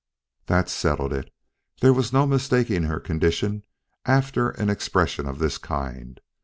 That settled it. There was no mistaking her condition after an expression of this kind.